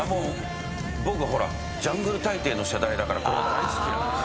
僕『ジャングル大帝』の世代だから大好きなんです。